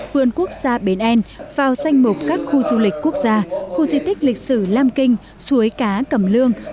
vườn quốc gia bến em vào danh mục các khu du lịch quốc gia khu di tích lịch sử lam kinh suối cá cầm lương